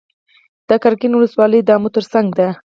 د قرقین ولسوالۍ د امو تر څنګ ده